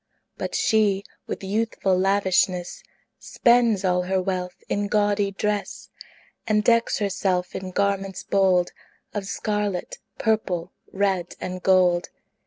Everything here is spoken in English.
But she, with youthful lavishness, Spends all her wealth in gaudy dress, And decks herself in garments bold Of scarlet, purple, red, and gold.